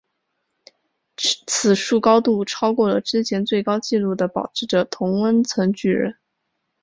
此树高度超过了之前最高纪录的保持者同温层巨人。